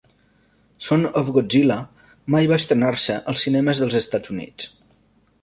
"Son of Godzilla" mai va estrenar-se als cinemes dels Estats Units.